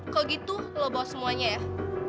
kalau gitu lo bawa semuanya ya